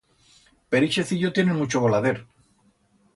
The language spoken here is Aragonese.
Per ixe cillo tienen mucho volader.